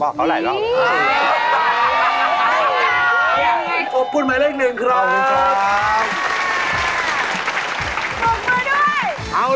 ว่ายุ่งที่๑๓